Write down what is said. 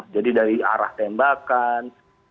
jadi dari arah tembakan